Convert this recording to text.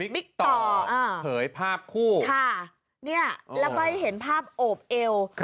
ต่อเผยภาพคู่ค่ะเนี่ยแล้วก็ให้เห็นภาพโอบเอว